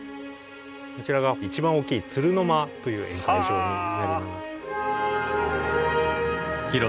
こちらが一番大きい鶴の間という宴会場になります。